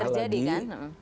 itu sudah terjadi kan